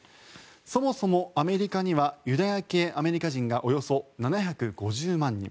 そもそもアメリカにはユダヤ系アメリカ人がおよそ７５０万人。